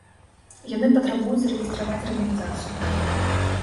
Яны патрабуюць зарэгістраваць арганізацыю.